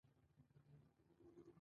تاسو بریالي کیدی شئ